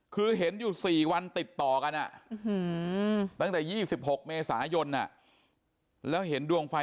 คือเห็นอยู่๔วันติดต่อกันตั้งแต่๒๖เมษายนแล้วเห็นดวงไฟ